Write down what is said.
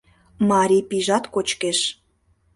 Мари пийжат кочкеш